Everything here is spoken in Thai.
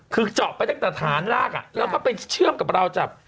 คือเจาะไปตั้งแต่ฐานลากแล้วก็ไปเชื่อมกับราวจับ